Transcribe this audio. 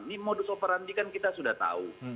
ini modus operandi kan kita sudah tahu